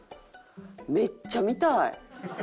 めっちゃ見たい。